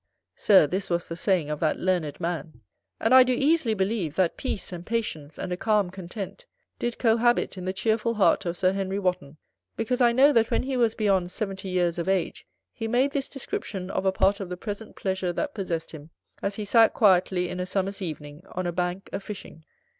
Sir, this was the saying of that learned man. And I do easily believe, that peace, and patience, and a calm content, did cohabit in the cheerful heart of Sir Henry Wotton, because I know that when he was beyond seventy years of age, he made this description of a part of the present pleasure that possessed him, as he sat quietly, in a summer's evening, on a bank a fishing.